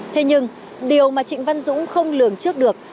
thế nhưng điều mà trịnh văn dũng không lường trước được